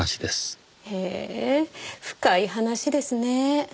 へえ深い話ですね。